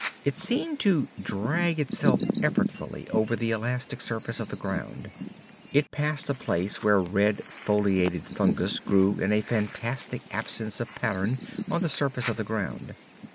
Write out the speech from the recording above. It seemed to drag itself effortfully over the elastic surface of the ground. It passed a place where red, foleated fungus grew in a fantastic absence of pattern on the surface of the ground.